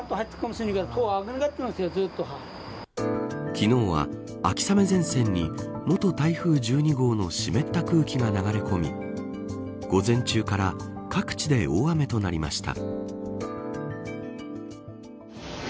昨日は、秋雨前線に元台風１２号の湿った空気が流れ込み午前中から各地で大雨となりました。